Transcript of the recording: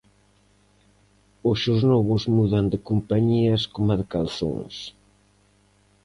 Hoxe os novos mudan de compañías coma de calzóns.